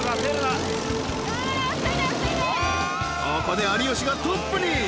［ここで有吉がトップに］